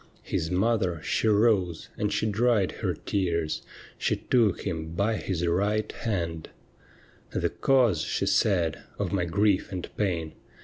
His mother, she rose, and she dried her tears. She took him by his right hand —' The cause,' she said, ' of my grief and pain.